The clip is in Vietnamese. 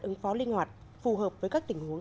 ứng phó linh hoạt phù hợp với các tình huống